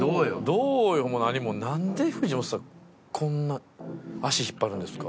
「どうよ」も何もなんで藤本さんこんな足引っ張るんですか？